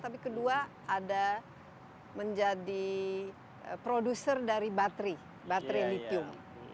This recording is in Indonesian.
tapi kedua ada menjadi produser dari bateri bateri lithium